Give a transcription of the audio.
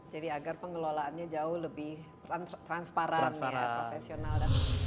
jadi agar pengelolaannya jauh lebih transparan ya profesional